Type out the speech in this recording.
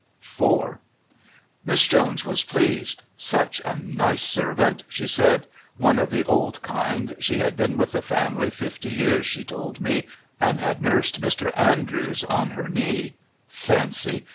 IV Miss Jones was pleased. "Such a nice servant," she said. "One of the old kind. She had been with the family fifty years, she told me, and had nursed Mr. Andrews on her knee. Fancy!